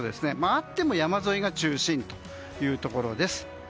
あっても山沿いが中心というところです。